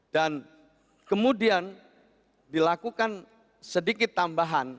dan kemudian dilakukan sedikit tambahan